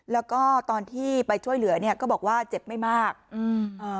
แล้วก็ตอนที่ไปช่วยเหลือเนี้ยก็บอกว่าเจ็บไม่มากอืมเอ่อ